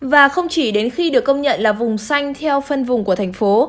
và không chỉ đến khi được công nhận là vùng xanh theo phân vùng của thành phố